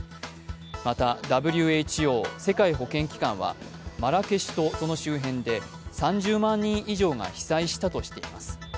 またＷＨＯ＝世界保健機関はマラケシュとその周辺で３０万人以上が被災したとしています。